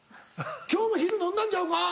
今日も昼飲んだんちゃうか？